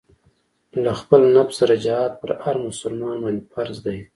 له خپل نفس سره جهاد پر هر مسلمان باندې فرض دی.